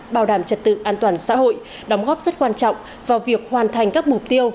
bảo đảm trật tự an toàn xã hội đóng góp rất quan trọng vào việc hoàn thành các mục tiêu